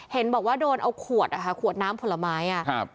เห็นบอกว่าโดนเอาขวดอะค่ะขวดน้ำผลไม้อ่ะครับ